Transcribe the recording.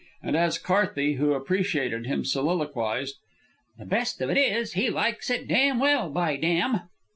And as Carthey, who appreciated him, soliloquized, "The best of it is he likes it damn well, by damn!"